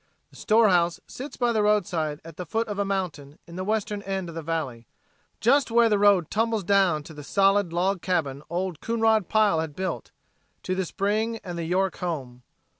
The storehouse sits by the roadside at the foot of a mountain in the western end of the valley, just where the road tumbles down to the solid log cabin old Coonrod Pile had built, to the spring and the York home.